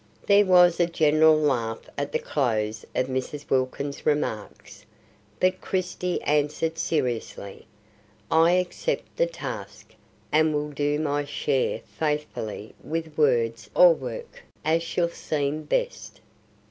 There was a general laugh at the close of Mrs. Wilkins's remarks; but Christie answered seriously: "I accept the task, and will do my share faithfully with words or work, as shall seem best.